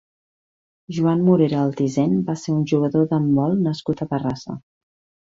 Joan Morera Altisent va ser un jugador d'handbol nascut a Terrassa.